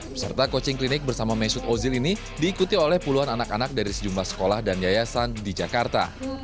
peserta coaching klinik bersama mesut ozil ini diikuti oleh puluhan anak anak dari sejumlah sekolah dan yayasan di jakarta